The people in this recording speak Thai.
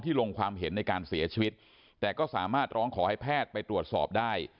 ลงความเห็นในการเสียชีวิตแต่ก็สามารถร้องขอให้แพทย์ไปตรวจสอบได้